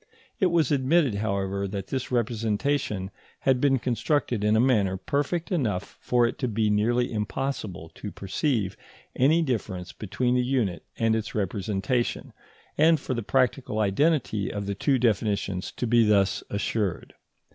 It was admitted, however, that this representation had been constructed in a manner perfect enough for it to be nearly impossible to perceive any difference between the unit and its representation, and for the practical identity of the two definitions to be thus assured.